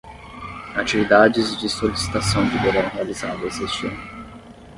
Atividades de solicitação de verão realizadas este ano